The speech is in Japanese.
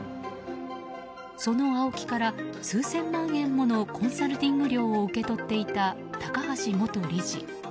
そのＡＯＫＩから数千万円ものコンサルティング料を受け取っていた高橋元理事。